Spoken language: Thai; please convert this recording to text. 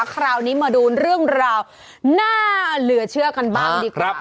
คราวนี้มาดูเรื่องราวน่าเหลือเชื่อกันบ้างดีกว่า